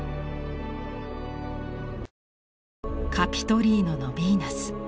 「カピトリーノのヴィーナス」。